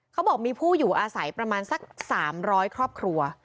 เขาบอกมีผู้อยู่อาศัยประมาณสัก๓๐๐ครอบครัว